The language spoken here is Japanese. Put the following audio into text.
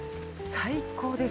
最高です。